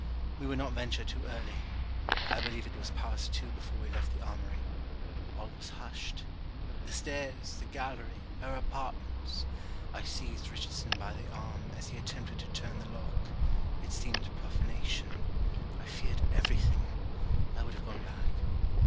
We would not venture too early. I believe it was past two before we left the armoury. All was hushed. The stairs! the gallery! her apartments! I seized Richardson by the arm, as he attempted to turn the lock. It seemed profanation. I feared every thing! I would have gone back.